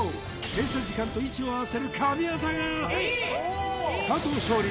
停車時間と位置を合わせる神業が佐藤勝利